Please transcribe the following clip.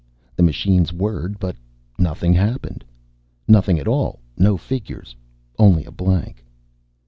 The machines whirred, but nothing happened. Nothing at all. No figures. Only a blank.